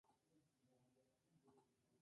Su pelaje suele ser marrón rojizo.